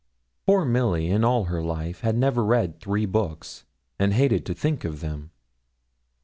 Poor Milly, in all her life, had never read three books, and hated to think of them.